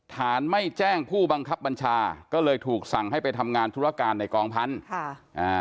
ฐานไม่แจ้งผู้บังคับบัญชาก็เลยถูกสั่งให้ไปทำงานธุรการในกองพันธุ์ค่ะอ่า